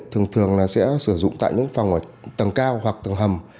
thường thường là sẽ sử dụng tại những phòng ở tầng cao hoặc tầng hầm